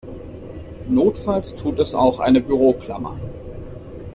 Notfalls tut es auch eine Büroklammer.